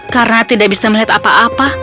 karena tidak bisa melihat apa apa